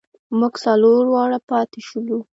مونږ څلور واړه پاتې شولو.